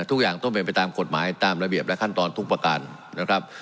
ทุกอย่างต้องเป็นไปตามกฎหมายตามระเบียบและขั้นตอนทุกประการนะครับ